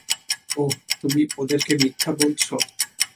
ওহ, তুমি ওদেরকে মিথ্যা বলছ?